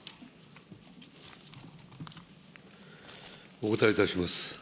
お答えいたします。